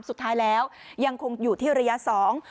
สุดท้ายแล้วยังคงอยู่ที่ระยะสอง